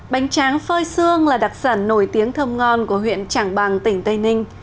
bánh tráng phơi xương là đặc sản nổi tiếng thơm ngon của huyện trảng bàng tỉnh tây ninh